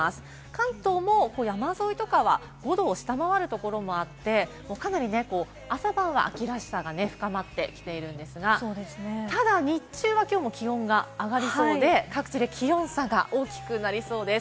関東も山沿いとかは５度を下回るところもあって、かなり朝晩は秋らしさが深まってきているんですが、ただ日中はきょうも気温が上がりそうで、各地で気温差が大きくなりそうです。